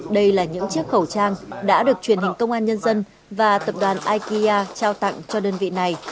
đây là những chiếc khẩu trang đã được truyền hình công an nhân dân và tập đoàn ikea trao tặng cho đơn vị này